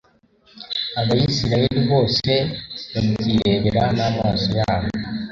abayisraheli bose babyirebera n'amaso yabo